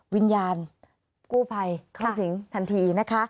วิญญาณกู้ภัยเข้าสิงทันทีนะคะ